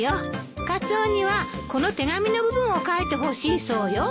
カツオにはこの手紙の部分を書いてほしいそうよ。